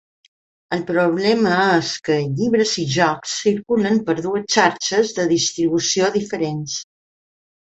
El problema és que llibres i jocs circulen per dues xarxes de distribució diferents.